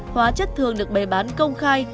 hóa chất thường được bày bán công khai